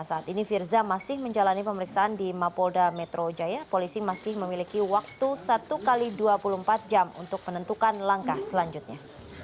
saat ini firza masih menjalani pemeriksaan di mapolda metro jaya polisi masih memiliki waktu satu x dua puluh empat jam untuk menentukan langkah selanjutnya